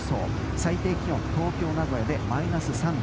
最低気温は東京、名古屋でマイナス３度。